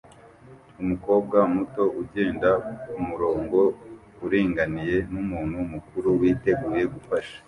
Umukobwa muto ugenda kumurongo uringaniye numuntu mukuru witeguye gufasha